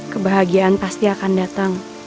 kebahagiaan pasti akan datang